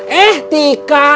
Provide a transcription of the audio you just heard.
gitu pakai h etika